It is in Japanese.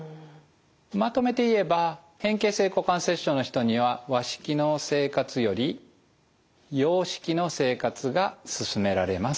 まとめて言えば変形性股関節症の人には和式の生活より洋式の生活がすすめられます。